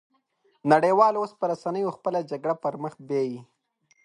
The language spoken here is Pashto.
نړۍ وال اوس په رسنيو خپله جګړه پرمخ بيايي